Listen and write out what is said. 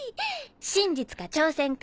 真実か挑戦か？